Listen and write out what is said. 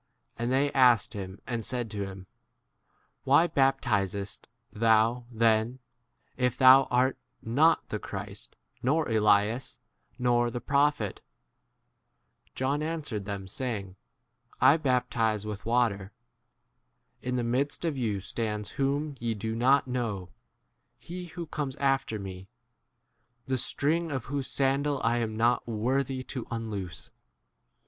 And they asked him and said to him, Why baptizest thou then, if thou * art not the Christ, nor Elias, nor 26 the prophet ? John answered them saying, I • baptize with waters In the midst of you stands r whom ye * 2 7 do not know, he s who comes after me, the string of whose sandal I " 28 am not worthy to unloose.